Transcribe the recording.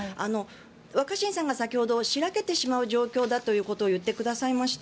若新さんが先ほど白けてしまう状況だということを言ってくださいました。